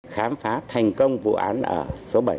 khám phá thành công vụ án đã xảy ra